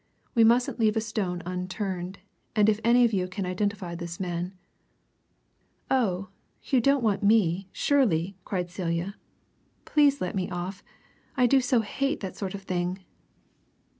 We mustn't leave a stone unturned, and if any of you can identify this man " "Oh, you don't want me, surely!" cried Celia. "Please let me off I do so hate that sort of thing!"